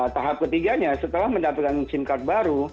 tahap ketiganya setelah mendapatkan sim card baru